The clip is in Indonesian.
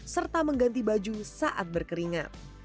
serta mengganti baju saat berkeringat